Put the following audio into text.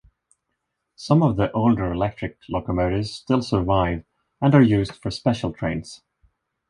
Some of the older electric locomotives still survive and are used for special trains.